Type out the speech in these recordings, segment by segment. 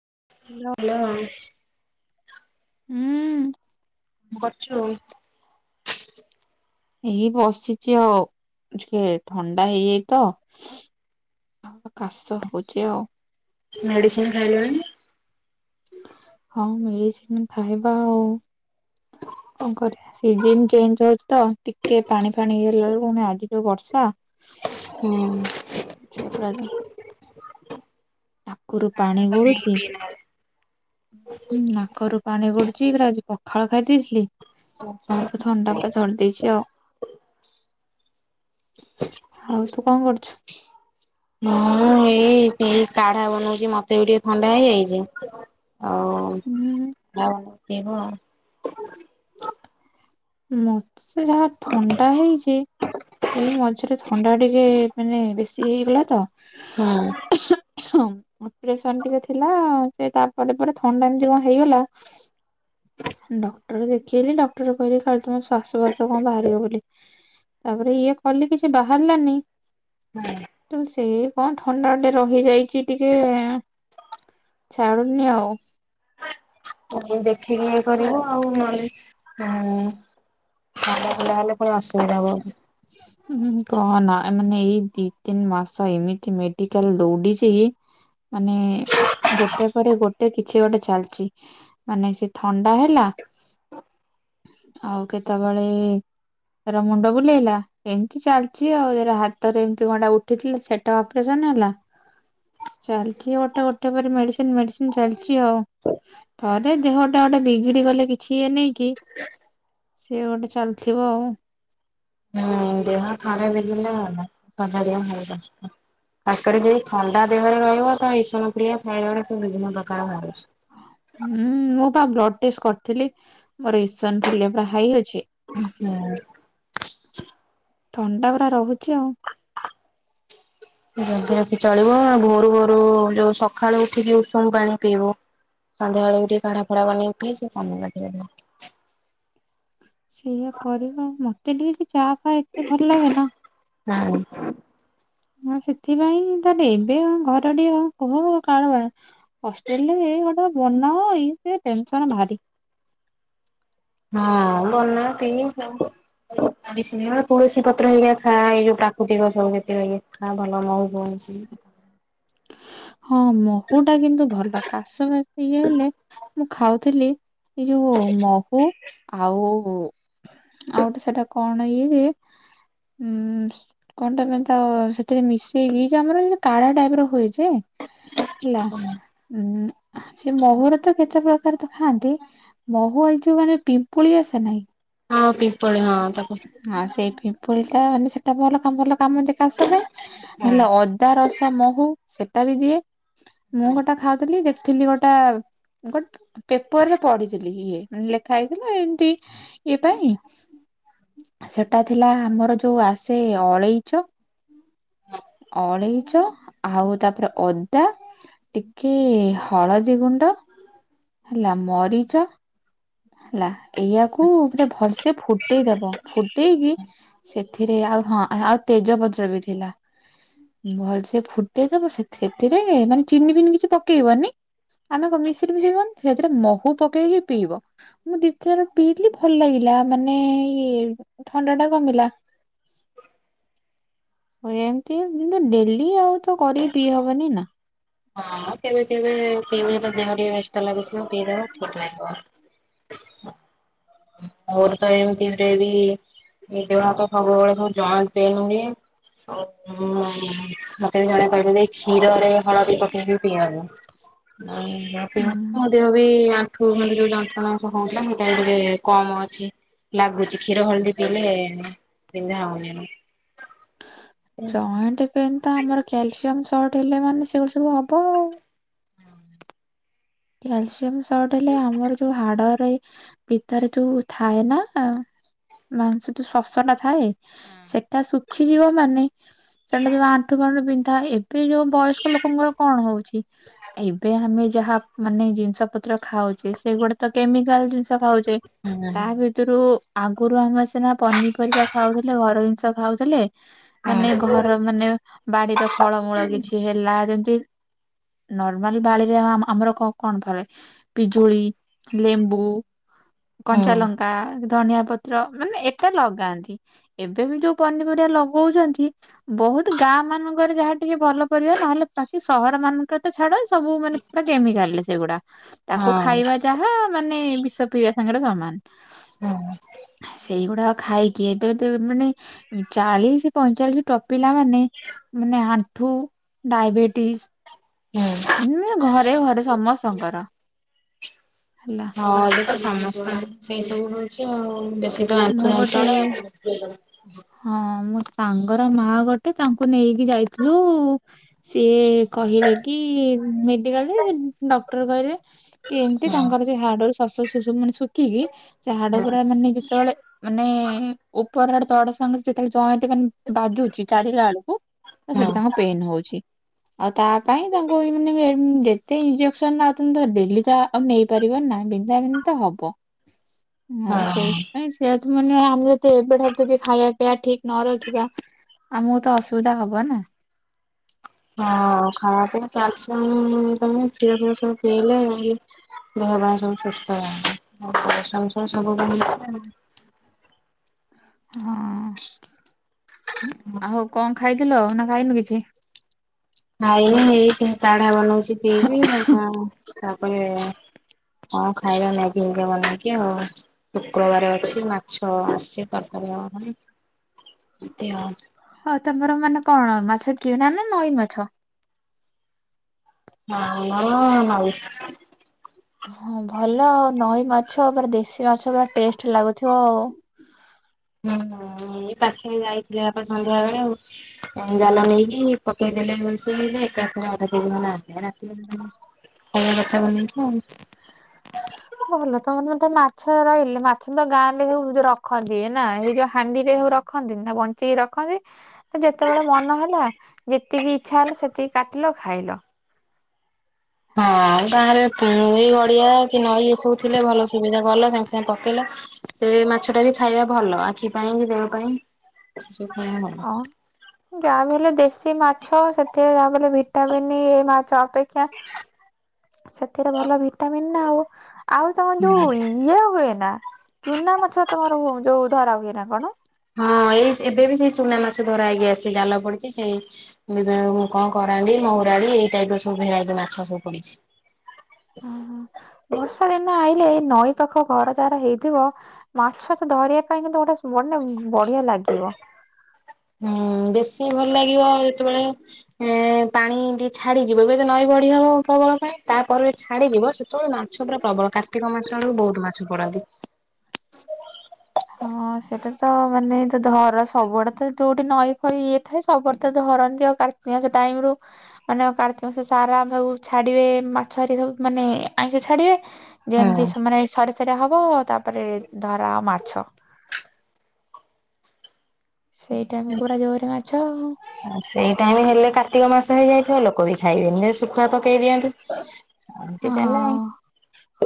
Hello. ହୁଁ। କଣ କରୁଚୁ? ଏଇ ବସିଚି ଆଉ। ଟିକେ ଥଣ୍ଡା ହେଇଯାଇଛି ତ। କାଶ ହଉଛି ଆଉ। ମେଡିସିନ ଖାଇଲନି। ହଁ ମେଡିସିନ ଖାଇବା ଆଉ। [inaudible] କଣ କରିବା ସିଜନ ଚେଞ୍ଜ ହଉଛି ତ ଟିକେ ପାଣି ଫାଣି ହେଇଗଲା ବେଳକୁ ଆଜି ଯୋଉ ବର୍ଷା ହୁଁ। [unintelligible] ଠାକୁର [unintelligible] ହଁ ନାକରୁ ପାଣି ଗଡୁଛି ପୁରା ଆଜି ପଖାଳ ଖାଇ ଦେଇଥିଲି। ସେଇଆକୁ ଥଣ୍ଡା ପୁରା ଧରିଦେଇଛି ଆଉ। ଆଉ ତୁ କଣ କରୁଚୁ? ମୁଁ ଏଇ ଏଇ କାଢା ବନଉଛି ମତେ ବି ଟିକେ ଥଣ୍ଡା ହେଇଯାଇଚି। ହୁଁ ଆଉ ଆଉ ଦେହ ମତେ ସେ ଯାହା ଥଣ୍ଡା ହେଇଚି ଏଇ ମଝିରେ ଥଣ୍ଡା ଟିକେ ମାନେ ବେଶୀ ହେଇଗଲା ତ। ହଁ। ଅପ୍ରେସନ ଟିକେ ଥିଲା ସେ ତାପରେ ପରେ ଥଣ୍ଡା ଏମିତି କଣ ହେଇଗଲା। ଡକ୍ଟର ଦେଖେଇଲି ଡକ୍ଟର କହିଲେ ଖାଲି ତମ ଶ୍ୱାସ ଫ୍ବାସ କଣ ବାହାରିବ ବୋଲି। ତାପରେ ଇଏ କଲି କିଛି ବାହାରିଲାନି। ସେ କଣ ଥଣ୍ଡାଟେ ରହି ଯାଇଚି ଟିକେ ଛାଡ଼ୁନିି ଆଉ। ଦେଖିକି ଇଏ କରିବୁ ଆଉ ନହେଲେ ଉଁ [unintelligible] ହେଲେ ପୁଣି ଅସୁବିଧା ହବ। ହୁଁ କହନା ମାନେ ଏଇ ଦି ତିନି ମାସ ଏମିତି ମେଡିକାଲ ଦୌଡିଛି ମାନେ ଗୋଟେ ପରେ ଗୋଟେ କିଛି ଗୋଟେ ଚାଲିଛି ମାନେ ସେ ଥଣ୍ଡା ହେଲା ହଁ। ଆଉ କେତେବେଳେ ର ମୁଣ୍ଡ ବୁଲେଇଲା। ଏମିତି ଚାଲିଛି ଆଉ ଏରା ହାତରେ ଏମତି କଣଟା ଉଠିଥିଲା ସେଟା ଅପରେସନ ହେଲା। ଚାଲିଛି ଗୋଟେ ଗୋଟେ ପରେ ମେଡିସିନ ମେଡିସିନ ଚାଲିଛି ଆଉ। ଥରେ ଦେହ ଟା ଗୋଟେ ବିଗିଡି ଗଲେ କିଛି ଇଏ ନାଇ କି ସିଏ ଗୋଟେ ଚାଲିଥିବ ଆଉ। ହୁଁ ଦେହ ଥରେ ବିଗିଡିଲେ ଗଲା ସଜାଡ଼ିବା ଭାରି କଷ୍ଟ ଖାସ କରି ଯଦି ଥଣ୍ଡା ଦେହରେ ରହିବ ତ ଏସନଫୁଲିଆ ଥାଇରଡ ବିଭିନ୍ନ ପ୍ରକାର ବାହାରୁଛି। ହୁଁ ମୁଁ ବା ବ୍ଲଡ ଟେଷ୍ଟ କରିଥିଲି ମୋର ଏସନଫୁଲିଆ ପୁରା ହାଇ ଅଛି ହୁଁ। ଥଣ୍ଡା ପରା ରହୁଛି ଆଉ। ଜଗି ରଖି ଚଳିବ ଭୋରୁ ଭୋରୁ ଯୋଉ ସକାଳୁ ଉଠିକି ଉଷୁମ ପାଣି ପିଇବ। ସନ୍ଧ୍ୟା ବେଳେ ବି ଟିକେ କାଢା ଫାଡା ବନେଇକି ପିଇଯେ କମିବ ଟିକେ ଦେହ ଟା। ସେଇଆ କରିବା ମତେ ଟିକେ ସେ ଚା ହ ଏତେ ଭଲ ଲାଗେ ନା ହଁ ହ ସେଥିପାଇଁ ତାହେଲେ ଏବେ ଘର ଟିକେ କୁହ କାଳ ହଷ୍ଟେଲରେ ବନାଏ ସେ ଟେନସନ ଭାରି। ହଁ ବନା ପି ତୁଳସୀ ପତ୍ର ହେରିକା ଖା ଏଇ ଯୋଉ ପ୍ରାକୃତିକ ସବୁ ଯେତେ ଖା ଭଲ ମହୁ ଫହୁ ସେ ହଁ ମହୁ ଟା କିନ୍ତୁ ଭଲ କାଶ ଇଏ ହେଲେ ମୁଁ ଖାଉଥିଲି ଏଇ ଯୋଉ ମହୁ ଆଉ ଆଉ ଗୋଟେ ସେଟା କଣ ଇଏ ଯେ ଉଁ କଣ ତମେ ତ ସେଥିରେ ମିଶେଇକି ଯେ ଆମର କାଢା ଟାଇପ ର ହୁଏ ଯେ ହେଲା ଉଁ ସେ ମହୁର ତ କେତେ ପ୍ରକାର ତ ଖାଆନ୍ତି ମହୁ ଏଇ ଯୋଉ ମାନେ ପିମ୍ପୁଳି ଆସେ ନାଇ ହଁ ପିମ୍ପଳି ହଁ ତାକୁ ହଁ ସେଇ ପିମ୍ପୁଲ ମାନେ ସେଟା ଭଲ କାମ ଭଲ କାମ ଦିଏ କାସ ପାଇଁ ହଁ। ନହେଲେ ଅଦା ରସ ମହୁ ସେଟା ବି ଦିଏ ମୁଁ ଗୋଟା ଖାଉଥିଲି ଦେଖିଥିଲି ଗୋଟା ଗୋଟେ ପେପର ରେ ପଢିଥିଲି ଇଏ ଲେଖା ହେଇଥିଲା ଏମିତି ଇଏ ପାଇଁ ସେଟା ଥିଲା ଆମର ଯୋଉ ଆସେ ଅଳେଇଚ ଅଳେଇଚ ଆଉ ତାପରେ ଅଦା ଟିକେ ହଳଦୀ ଗୁଣ୍ଡ ହେଲା ମରିଚ ହେଲା ଏଇଆକୁ ପୁରା ଭଲସେ ଫୁଟେଇଦବ ଫୁଟେଇକି ସେଥିରେ ଆ ଆଉ ହଁ ଆ ଆଉ ତେଜପତ୍ର ବି ଥିଲା। ଭଲସେ ଫୁଟେଇଦବ ସେ ସେଥିରେ ମାନେ ଚିନି ଫିନି କିଛି ପକେଇବନି। ଆମେ କଣ ମିଶ୍ରୀ ଫିଶ୍ରି ବ ସେଥିରେ ମହୁ ପକେଇକି ପିଇବ। ମୁଁ ଦି ଚାର ପିଇଲିି ଭଲ ଲାଗିଲା ମାନେ ଏଇ ଥଣ୍ଡା ଟା କମିଲା। ହ ଆଉ ଏମତି ଯେ ଡେଲି ଆଉ ତ କରିକି ପିଇ ହବନି ନା। ହଁ କେବେ କେବେ ପିଇବ ଦେହ ଟିକେ ବ୍ୟସ୍ତ ଲାଗୁଥିବ ପିଇଦବା ଠିକ ଲାଗିବ। ମୋର ତ ଏମତି ରେ ବି ଏଇ ଦେହ ହାତ ସବୁବେଳେ ସବୁ ଜଏଣ୍ଟ ପେନ ହୁଏ। ଉମ ମତେ ବି ଜଣେ କହିଲେ ଯେ କ୍ଷୀରରେ ହଳଦୀ ପକେଇକି ପିଇବାକୁ ଆଉ ମୁ ପି ମୋ ଦେହ ବି ଆଣ୍ଠୁ ଗଣ୍ଠି ଯୋଉ ଯନ୍ତ୍ରଣା ହୋଉଥିଲା ହେଟା ଏବେ ଟିକେ କମ ଅଛି। ଲାଗୁଛି କ୍ଷୀର ହଳଦୀ ପିଇଲେ ବିନ୍ଧା ହଉନି। ଜଏଣ୍ଟ ପେନ୍ ତ ଆମର କ୍ୟାଲସିୟମ ସଟ ହେଲେ ମାନେ ସେଗୁଡା ସବୁ ହବ ଆଉ। କ୍ୟାଲସିୟମ ସଟ ହେଲେ ଆମର ଯୋଉ ହାଡରେ ଏ ଭିତରେ ଯୋଉ ଥାଏ ନା ମାଂସ ତୁ ଶଶ ଟା ଥାଏ। ସେଟା ଶୁଖିଯିବ ମାନେ ସେଟା ଯୋଉ ଆଣ୍ଠୁ ଫାଣ୍ଠୁ ବିନ୍ଧା ଏ ଯୋଉ ବୟସ୍କ ଲୋକଙ୍କର କଣ ହଉଚି ଏବେ ଆମେ ଯାହା ମାନେ ଜିନିଷ ପତ୍ର ଖାଉଛେ ସେ ଗୁଡା ତ କେମିକାଲ ଜିନିଷ ଖାଉଛେ ହୁଁ ହୁଁ ତା ଭିତରୁ ଆଗରୁ ଆମେ ସିନା ପନିପରିବା ଖାଉଥିଲେ ଘର ଜିନିଷ ଖାଉଥିଲେ। ମାନେ ଘର ମାନେ ବାଡିର ଫଳମୂଳ କିଛି ହେଲା ଯେମିତି ନର୍ମାଲ ବାଳିରେ ଆମର କଣ ଫରେ ପିଜୁଳି, ଲେମ୍ବୁ, କଞ୍ଚାଲଙ୍କା ଧନିଆ ପତ୍ର ମାନେ ଏଟା ଲଗାନ୍ତି ଏବେ ବି ଯୋଉ ପନିପରିବା ଲଗାନ୍ତି ବହୁତ ବହୁତ ଗାଁ ମାନଙ୍କରେ ଯାହା ଟିକେ ଭଲ ପରିବା ନହେଲେ ବାକି ସହର ମାନଙ୍କରେ ତ ଛାଡ ସବୁ ମାନେ ପୁରା କେମିକାଲରେ ସେଗୁଡା ହଁ ତାକୁ ହୁଁ ଖାଇବା ଯାହା ମାନେ ବିଷ ପିଇବା ସାଙ୍ଗରେ ସମାନ ସେଇଗୁଡା ଖାଇକି ଏବେ ମାନେ ଚାଳିଶ ପଇଁଚାଳିଶ ଟପିଲା ମାନେ ମାନେ ଆଣ୍ଠୁ ହୁଁ। ଡାଇବେଟିସ ଘରେ ଘରେ ଶଙ୍କର। ହଁ ଏବେ ତ ସମସ୍ତେ ସେଇ ସବୁ ହଉଛି ଆଉ ମୁଁ ଗୋଟେ [unintelligible] ହଁ ମୋ ସାଙ୍ଗର ମା ଗୋଟେ ତାଙ୍କୁ ନେଇ ଯାଇଥିଲୁ ସିଏ କହିଲେ କି ମେଡିକାଲରେ ଡଟ କହିଲେ କି ଏମିତି ତାଙ୍କର ସେ ହାଡରୁ ମାନେ ଖିକି ସେ ହାଡ ହଁ ହଁ। ପୁରା ମାନେ ଯେତେବେଳେ ମାନେ ଉପର ଆଡ ତଡ ସାଙ୍ଗ ଯେତେବେଳେ ଯଏଣ୍ଟ ସେଠି ମାନେ ବାଜୁଚି ଚାଲିଲା ବେଳକୁ ସେଠି ହଁ ତାଙ୍କର ପେନ ହଉଛି ଆଉ ତା ପାଇଁ ତାଙ୍କୁ ଏ ମାନେ ସେଇ ଇଞ୍ଜେସନ ଡେଲି ତ ଆଉ ନେଇପାରିବ ନା ବିନ୍ଧା ବିନ୍ଧି ତ ହବ। ଆଉ ହଁ। ସେଇଥିପାଇଁ ସେ ଯଦି ମାନେ ଆମେ ଏବେ ଠାରୁ ଖାଇବା ପିଆ ଠିକ ନ ରଖିବା ଆମକୁ ତ ଅସୁବିଧା ହବ ନା। ହଁ ଖରାପ କ୍ୟାଲସିଅମ କ୍ଷୀର ଫୀର ସବୁ ପିଇଲେ ଦେହ ପାଇଁ ସବୁ ସୁସ୍ଥ ବାନ ସବୁ ହଁ ଆଉ କଣ ଖାଇଥିଲୁ ନା ଖାଇନୁ କିଛି। ଖାଇନି ହେଇ କାଢା ବନଉଛି ପିଇବି ଆଉ ତାପରେ ହଁ ଖାଇବା ମ୍ୟାଗି ହେରିକା ବନେଇକି ଆଉ ଶୁକ୍ରବାର ଅଛି ମାଛ ଆସିଛି ଦେହ ହବନି ଇଦିହ। ହଉ ତମର ମାନେ କଣ ମାଛ କିଣା ନା ନଈ ମାଛ? କିଣା ନା ନଈ? ହଁ ଭଲ ଆଉ ନଈ ମାଛ ପା ଦେଶୀ ମାଛ ପୁରା ଟେଷ୍ଟ ଲାଗୁଥିବ ଆଉ। ହ ହୁଁ ପାଖେ ଯାଇଥିଲେ ଆପ ସନ୍ଧ୍ୟା ବେଳେ ଆଉ ଜାଲ ନେଇକି ପକେଇ ଦେଲେ ସେ ଏକାଥରେ ଆଉ ପଛକୁ ନାହାନ୍ତି। ହଁ କଥା ବନେଇକି ଆଉ ଭଲ ତମର ମତେ ମାଛ ରହିଲେ ମାଛ ତ ଗାଁରେ ରହିଲେ ରଖନ୍ତି ନା ସେଇ ଯୋଉ ହାଣ୍ଡିରେ ରଖନ୍ତି ନି ନା ରଖନ୍ତି ଯେତେବେଳେ ମନ ହେଲା ଯେତିକି ଇଚ୍ଛା ହେଲା ସେତିକି କାଟିଲ ଖାଇଲ। ହଁ ଗାଁରେ ଏଇ ଗଡିଆ କି ନଈ ଏ ସବୁ ଥିଲେ ଭଲ ସୁବିଧା ଗଲ ସାଙ୍ଗେ ସାଙ୍ଗେ ପକେଇଲ ସେ ମାଛ ଟା ବି ଖାଇବା ଭଲ ଆଖି ପାଇଁ କି ଦେହ ପାଇଁ ହଁ [unintelligible] ଯାହା ବି ହେଲେ ଦେଶୀ ମାଛ ସେଥିରେ ଯାହା ବି ହେଲେ ଭିଟାମିିନ ଇ ଏ ମାଛ ଅପେକ୍ଷା ସେଥିରେ ଭଲ ଭିଟାମିନ ନା ଆଉ। ଆଉ ତମର ଯୋଉ ଇଏ ହୁଏ ନା, ଚୁନା ମାଛ ତମର ଯୋଉ ଧରା ହୁଏ ନା କଣ? ହଁ ଏଇ ଏବେ ବି ସେଇ ଚୁନା ମାଛ ଧରା ହେଇକି ଆସିଚି ଜାଲ ପଡିଛି, ସେଇ ମୁଁ କଣ କର କରାଣ୍ଡି, ମହୁରାଳି ଏଇ ଟାଇପ ର ସବୁ ଭେରାଇଟି ମାଛ ସବୁ ପଡିଚି। ଉଁ ହୁଁ ବର୍ଷା ଦିନ ଆଇଲେ ଏ ନଈ ପାଖ ଘର ଯାହାର ହେଇଥିବ ମାଛ ଫାଛ ଧରିବା ପାଇଁ କିନ୍ତୁ ଗୋଟେ ମାନେ ବଢିଆ ଲାଗିବ। ହୁଁ ବେଶୀ ଭଲ ଲାଗିବ ଯେତେବେଳେ ଉଁ ପାଣି ଟିକେ ଛାଡିଯିବ ଏବେ ତ ନଈ ବଢି ହବ [unintelligible] ପାଇଁ ତାପରେ ଛାଡିଯିବ ସେତେବେଳେ ମାଛ ପୁରା ପ୍ରବଳ କାର୍ତ୍ତିକ ମାସ ଆଡ଼କୁ ବହୁତ ମାଛ ପଡନ୍ତି। ହଁ ସେଟା ତ ମାନେ ତ ଧର ସବୁଆଡେ ତ ଯୋଉଠି ନଈ ଫଇ ଇଏ ଥାଏ ସବୁଆଡେ ତ ଧରନ୍ତି ଆ କାର୍ତ୍ତିକ ମାସ ଟାଇମ ରୁ ମାନେ କାର୍ତ୍ତିକ ମାସ ସାରା ସବୁ ଛାଡିବେ ମାଛର ସବୁ ମାନେ ଆଇଁଷି ଛାଡିବେ ଯେମିତି ହୁଁ ସେମାନେ ସରି ସରିଆ ହବ ତାପରେ ଧରା ମା ଛ ପୁରା ଜୋରରେ ମାଛ ଆଉ ଆ ସେଇ ଟାଇମ ହେଲେ କାର୍ତ୍ତିକ ମାସ ହେଇ ଯାଇଥିବ। ଲୋକ ବି ଖାଇବେନି ଶୁଖୁଆ ପକେଇ ଦିଅନ୍ତି। ଏମତି ଚାଲେ ଆଉ।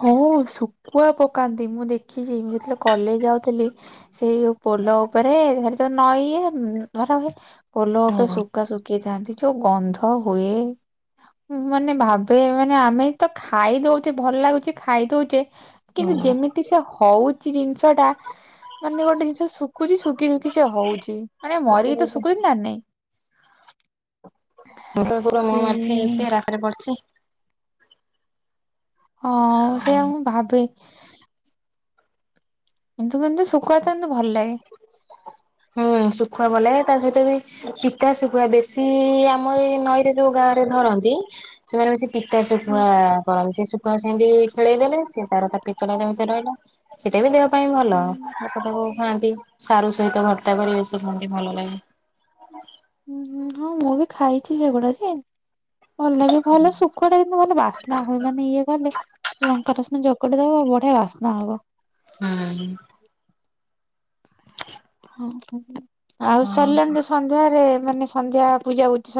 ହଁ ଶୁଖୁଆ ପକାନ୍ତି ମୁଁ ଦେଖିଛି ମୁଁ ଯେତେବେଳେ କଲେଜ ଯାଉଥିଲି, ସେଇ ପୋ ପୋଲ ଉପରେ ହେଠି ତ ନଈ ଇଏ ଧରା ହୁଏ। ପୋଲ ଉପରେ ହୁଁ ଶୁଖୁଆ ଶୁଖେଇଥାନ୍ତି। ଯୋଉ ଗନ୍ଧ ହୁଏ। ମୁଁ ମାନେ ଭାବେ ମାନେ ଆମେ ତ ଖାଇଦଉଚେ ଭଲ ଲାଗୁଚି। ଖାଇ ଦଉଚେ। କିନ୍ତୁ ହୁଁ। ଯେମିତି ସେ ହଉଚି ଜିନିଷ ଟା ମାନେ ଗୋଟେ ଜିନିଷ ଶୁଖୁଛି ଶୁଖି ଶୁଖିଛି ହଉଚି। ମାନେ ମରିକି ତ ଶୁଖୁଛି ନା ନାଇଁ? ଟୋଟାଲି ପୁରା ମୁହଁ ମାଡ଼ିଚି ସିଏ ସେ ରାସ୍ତା ରେ ପଡ଼ିଚି। ହଁ ସେଇଆ ମୁଁ ଭାବେ। କିନ୍ତୁ କିନ୍ତୁ ଶୁକୁଆ କିନ୍ତୁ ଭଲ ଲାଗେ। [inaudible] ହୁଁ ଶୁଖୁଆ ଭଲ ଲାଗେ। ତା ସହିତ ବି ଚିତା ଶୁଖୁଆ ବେଶୀ ଆମ ଏଇ ନଈରେ ଯୋଉ ଗା ରେ ଧରନ୍ତି। ସେମାନେ ବେଶୀ ପିତା ହୁଁ ଶୁଖୁଆ କରନ୍ତି ସେତେବେଳେ ସେମିତି ଖେଳେଇ ଦେଲେ ସେ ତାର ତା ପିତ ଟା ଯେମିତି ରହିଲା ସେଇଟା ବି ଦେହ ପାଇଁ ଭଲ ତାକୁ ଖାଆନ୍ତି। ସାରୁ ସହିତ ଭର୍ତ୍ତା କରି ବେଶୀ ଖାଆନ୍ତି, ଭଲ ଲାଗେ। ହୁଁ ମୁଁ ବି ଖାଇଛି ସେଗୁଡା ଯେ। ଭଲ ଲାଗେ ଭଲ ସୁଖୁଆଟା କିନ୍ତୁ ଭଲ ବାସ୍ନା ହୁଏ। ମାନେ ଇଏ ଗଲେ ଲଙ୍କାର ଚକଟି ଦବ ବଢିଆ ବାସ୍ନା ହବ। ହୁଁ। ଆଉ ସରିଲାଣି ତ ସନ୍ଧ୍ୟାରେ ମାନେ ସନ୍ଧ୍ୟା ପୂଜା [unintelligible]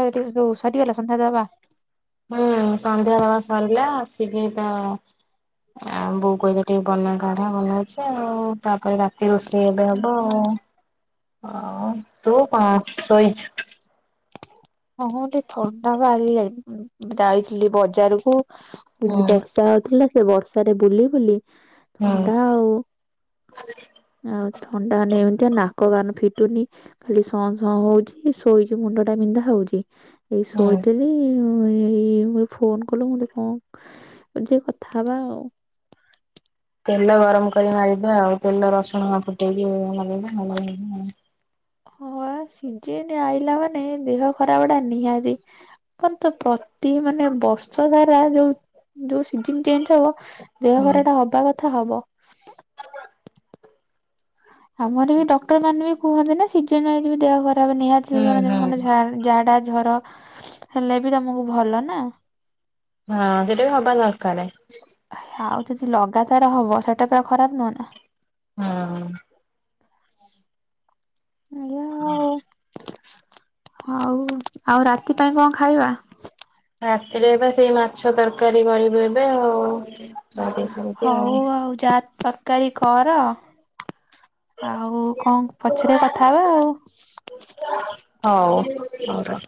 ସରିଗଲା ସନ୍ଧ୍ୟାଦବା। ହୁଁ ସନ୍ଧ୍ୟାଦେବା ସରିଲା। ଆସିକି ତ ଆ ବୋଉ କହିଲେ ଟିକେ ବନା କାଢା ବନଉଛି ଆଉ। ତାପରେ ଏଇ ରୋଷେଇ ଏବେ ହବ ଆଉ । ଆଉ ତୁ କଣ ଶୋଇଚୁ? ହଁ ଟିକେ ଥଣ୍ଡା ବାହାରି ଯାଇ ଯାଇଥିଲି ବଜାରକୁ। ମୁଁ କହିଲି ହୁଁ ବର୍ଷା ହଉଥିଲା ସେ ବର୍ଷାରେ ବୁଲି ବୁଲି ହୁଁ। ଥଣ୍ଡା ଆଉ। ଆଉ ଥଣ୍ଡା [unintelligible] ନାକ କାନ ଫିଟୁନି ଖାଲି ସଁ ସଁ ହଉଛି, ଶୋଇଛି ମୁଣ୍ଡ ବିନ୍ଧା ହଉଛି, ଏଇ ହୁଁ ଶୋଇଥିଲି ପୁଣି ଏଇ ମୁଇ ଫୋନ କଲୁ ମୋତ କଣ କହିଲି ଟିକେ କଥା ହବା ଆଉ। [inaudible] ତେଲ ଗରମ କରି ମାରିଦେ ଆଉ। ତେଲ ରସୁଣ ଫୁଟେଇକି ନଗେଇଦେ ଭଲ [inaudible] ସିଜିନ୍ ଆଇଲା ମାନେ ଦେହ ଖରାପ ଟା ନିହାତି। ଆମର ତ ପ୍ରତି ମାନେ ବର୍ଷ ସାରା ଯୋଉ ଯୋଉ ସିଜିନ୍ ଚେଞ୍ଜ ହବ ଦେହ ଖରାପ୍ ଟା ହବା କଥା ହବ। ଆମର ବି ଡକ୍ଟର ମାନେ ବି କୁହନ୍ତି ନା ସିଜିନ୍ ୱାଇଜ ବି ଦେହ ଖରା ତା ମାନେ ନିହାତି ଯ-ଯଉ ହୁଁ ମାନେ ଯଉ ମାନେ ଝା ଝାଡ଼ା ଜର। ହେଲେ ବି ତମକୁ ଭଲ ନା। ହଁ ସେଇଟା ବି ହବା ଦରକାରେ। ଆଉ ଯଦି ଲଗାତାର ହବ ସେଟା ପା ଖରାପ ନୁହଁ ନା। ହଁ। ହଁ। ହଉ ଆଉ ରାତି ପାଇଁ କଣ ଖାଇବା? ରାତିରେ ଏବେ ସେଇ ମାଛ ତରକାରୀ କରିବୁ ଏବେ ଆଉ। କରିବେ ସେମିତି ହଉ ଆଉ ଯା ତରକାରୀ କର। ଆଉ କଣ ପଛରେ କଥା ହବା ଆଉ। ହଉ ରଖ୍।